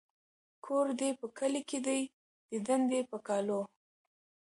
ـ کور دې په کلي کې دى ديدن د په کالو.